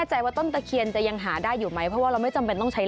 เยอะหลายจังหวัดหลายพื้นที่